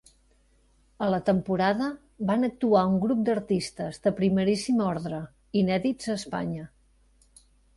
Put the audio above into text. A la temporada van actuar un grup d'artistes de primeríssim ordre, inèdits a Espanya.